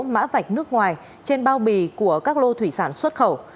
mã vạch nước ngoài trên bao bì của các lô thủy sản xuất khẩu